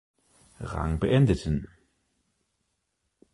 Rang beendeten.